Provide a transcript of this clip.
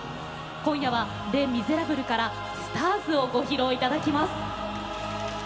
今夜は「レ・ミゼラブル」から「ＳＴＡＲＳ」をご披露いただきます。